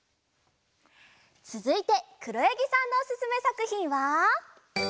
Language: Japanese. つづいてくろやぎさんのおすすめさくひんは。